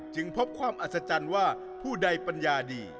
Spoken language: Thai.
พบความอัศจรรย์ว่าผู้ใดปัญญาดี